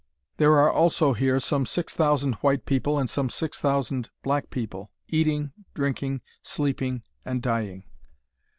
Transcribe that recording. There are also here some six thousand white people and some six thousand black people, eating, drinking, sleeping, and dying.